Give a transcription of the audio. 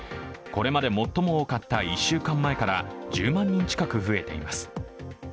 これまで最も多かった１週間前から１０万人近く増えています。